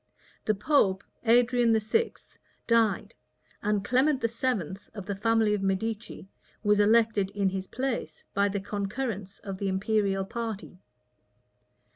The pope, Adrian VI., died; and Clement VII., of the family of Medicis, was elected in his place, by the concurrence of the imperial party.